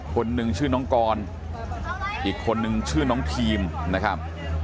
คนหนึ่งชื่อน้องกรอีกคนนึงชื่อน้องทีมนะครับ